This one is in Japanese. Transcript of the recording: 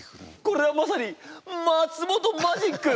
これはまさに松本マジック！